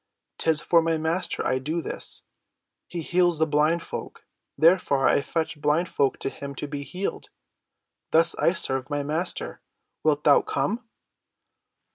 'Tis for my Master I do this. He heals blind folk, therefore I fetch blind folk to him to be healed. Thus I serve my Master. Wilt thou come?"